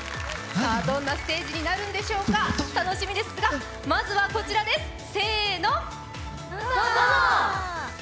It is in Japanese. どんなステージになるんでしょうか楽しみですが、まずはこちらです。